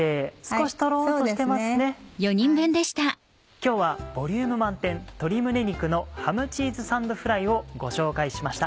今日はボリューム満点「鶏胸肉のハムチーズサンドフライ」をご紹介しました。